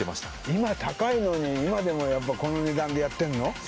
今高いのに今でもやっぱこの値段でやってんの？